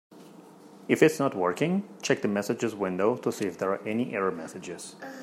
If it's not working, check the messages window to see if there are any error messages.